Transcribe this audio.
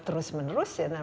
terus menerus ya